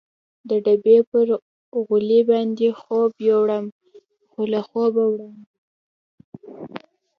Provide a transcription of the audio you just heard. د ډبې پر غولي باندې خوب یووړم، خو له خوبه وړاندې.